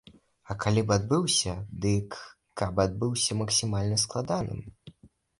А калі б і адбыўся, дык каб адбыўся максімальна складаным.